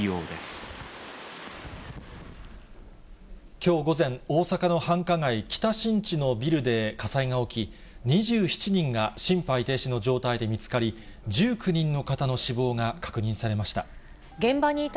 きょう午前、大阪の繁華街、北新地のビルで火災が起き、２７人が心肺停止の状態で見つかり、１９人の方の死亡が確認されました。